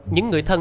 những người thân